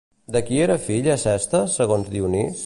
De qui era fill Acestes segons Dionís?